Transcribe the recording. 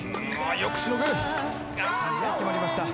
よく決まりました。